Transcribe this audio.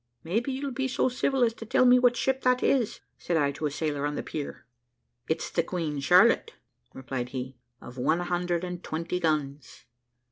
`Maybe you'll be so civil as to tell me what ship that is,' said I to a sailor on the pier. `It's the Queen Charlotte,' replied he, `of one hundred and twenty guns.'